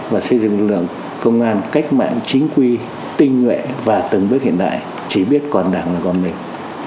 và xây dựng lực lượng công an cách mạng chính quy tinh nhuệ và từng bước hiện đại chỉ biết còn đảng là con mình